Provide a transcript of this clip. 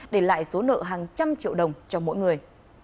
để lại số nợ hàng trăm triệu đồng cho mỗi người